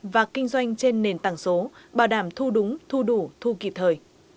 và kinh doanh trên nền tảng số bảo đảm thu đúng thu đủ thu kịp thời